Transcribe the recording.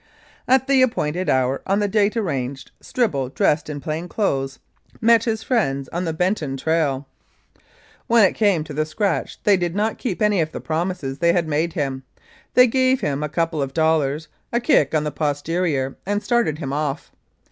At the appointed hour on the date arranged, Stribble, dressed in plain clothes, met his friends on the Benton 283 Mounted Police Life in Canada trail. When it came to the scratch they did not keep any of the promises they had made him. They gave him a couple of dollars, a kick on the posterior and started him off.